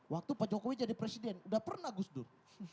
waktu pak jokowi jadi presiden udah pernah gus dur